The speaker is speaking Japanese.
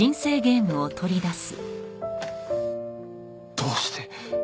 どうして？